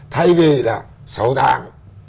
thay vì là sáu tháng